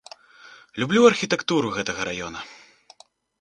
Люблю архітэктуру гэтага раёна.